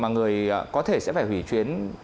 mà người có thể sẽ phải hủy chuyến